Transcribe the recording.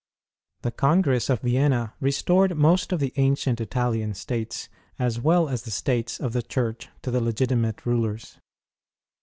The Congress of Vienna restored most of the ancient Italian States as well as the States of the Chiu'ch to the legitimate rulers.